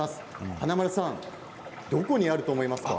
華丸さんどこにあると思いますか？